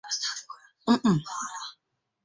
a ga-asị na ọ bụ ya gburu di ya